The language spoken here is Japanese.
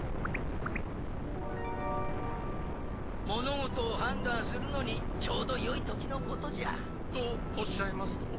物事をはんだんするのにちょうどよい時のことじゃ。とおっしゃいますと？